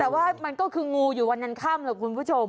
แต่ว่ามันก็คืองูอยู่วันนั้นค่ำแหละคุณผู้ชม